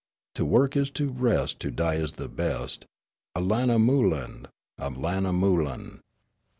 To work is to rest ; To die is the best. Allanamoulin, Allanamoulin.